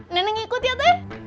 neneng ikut ya teh